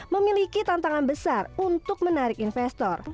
memiliki tantangan besar untuk menarik investor